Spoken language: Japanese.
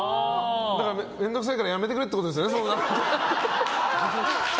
面倒くさいからやめてくれってことですよね。